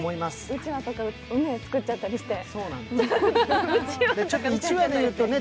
うちわとか作っちゃったりして。